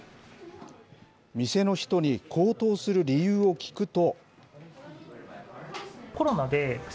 店の人に高騰する理由を聞くと。